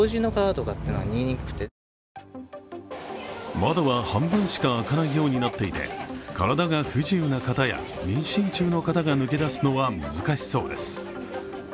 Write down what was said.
窓は半分しか開かないようになっていて、体が不自由な方や妊娠中の方が抜け出すのは難しそうです。